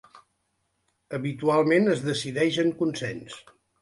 Habitualment es decideix en consens.